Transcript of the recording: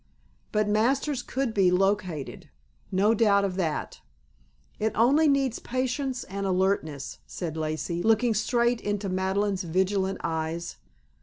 But Masters could be "located," no doubt of that. "It only needs patience and alertness," said Lacey, looking straight into Madeleine's vigilant eyes.